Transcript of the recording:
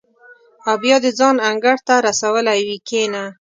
او بیا دې ځان انګړ ته رسولی وي کېنه.